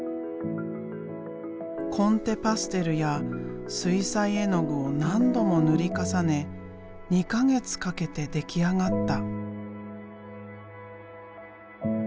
コンテパステルや水彩絵の具を何度も塗り重ね２か月かけて出来上がった。